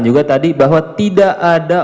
juga tadi bahwa tidak ada